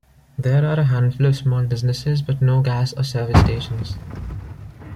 There are a handful of small businesses, but no gas or service stations.